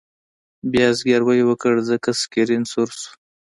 بیا یې زګیروی وکړ ځکه سکرین سور شو